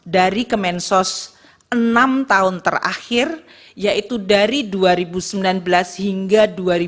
dari kemensos enam tahun terakhir yaitu dari dua ribu sembilan belas hingga dua ribu dua puluh